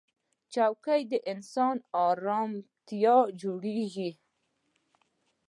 چوکۍ د انسان ارام ته جوړېږي